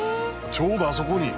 ちょうどあそこに。